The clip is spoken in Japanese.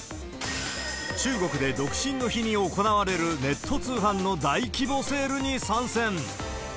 中国で独身の日に行われるネット通販の大規模セールに参戦。